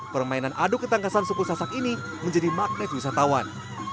permainan adu ketangkasan suku sasak ini menjadi magnet wisatawan